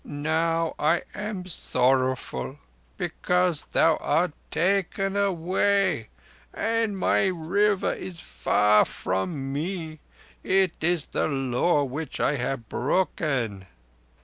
Now I am sorrowful because thou art taken away and my River is far from me. It is the Law which I have broken!"